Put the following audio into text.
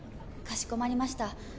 かしこまりました